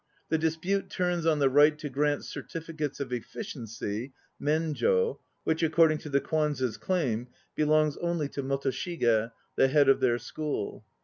The dispute turns on the right to grant certificates of efficiency (menjd) which, according to the Kwanzess' claim, belongs only to Motoshige, the head of their school.